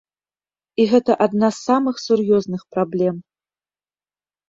І гэта адна з самых сур'ёзных праблем.